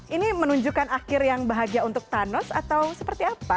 ini menunjukkan akhir yang bahagia untuk thanos atau seperti apa